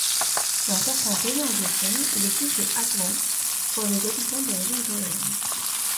Dans certains pays anglophones, il existe des hagwons pour les habitants d'origine coréenne.